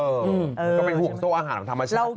ก็เป็นงูของโต๊ะอาหารของธรรมชาติไง